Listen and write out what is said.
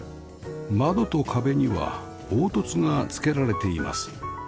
窓と壁には凹凸がつけられています